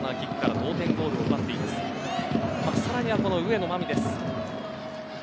さらには上野真実です。